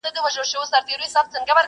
يو لوى دښت وو راټول سوي انسانان وه!!